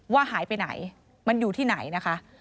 ว่าหายไปไหนมันอยู่ที่ไหนนะคะ